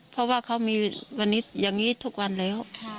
เพราะว่าเขามีวันนี้อย่างนี้ทุกวันแล้ว